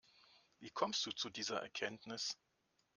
Wie kommst du zu dieser Erkenntnis?